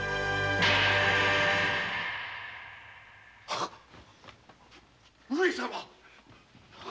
あっ上様！